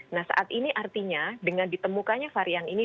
nah saat ini artinya dengan ditemukannya varian ini